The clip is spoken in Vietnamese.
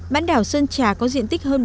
bán đảo sơn trà có diện tích hơn bốn m hai